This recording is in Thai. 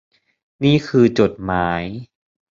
นี่คือจดหมาย